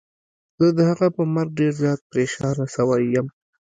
زه د هغه په مرګ ډير زيات پريشانه سوی يم.